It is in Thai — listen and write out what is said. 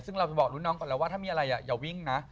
ซึ่งเราจะบอกรุ่นน้องก่อนแล้วว่าถ้ามีอะไรอย่าวิ่งนะ